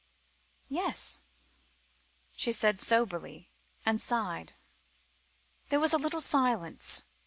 "Yes," said she soberly, and sighed. There was a little silence.